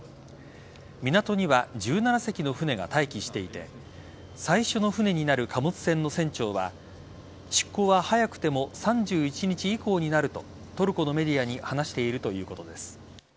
港には１７隻の船が待機していて最初の船になる貨物船の船長は出港は早くても３１日以降になるとトルコのメディアに話しているということです。